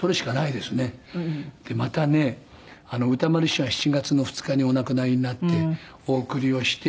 「でまたね歌丸師匠が７月の２日にお亡くなりになってお送りをして」